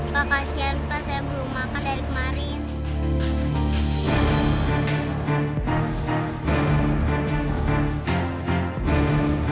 pak kasian pak saya belum makan dari kemarin